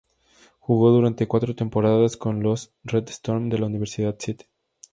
Jugó durante cuatro temporadas con los los "Red Storm" de la Universidad St.